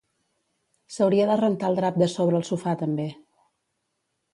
S'hauria de rentar el drap de sobre el sofà també